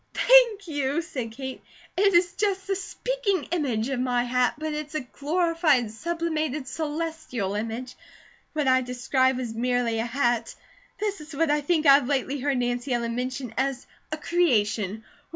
"Thank you," said Kate. "It is just 'the speaking image' of my hat, but it's a glorified, sublimated, celestial image. What I described was merely a hat. This is what I think I have lately heard Nancy Ellen mention as a 'creation.'